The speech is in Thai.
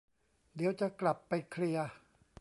เดี๋ยวจะกลับไปเคลียร์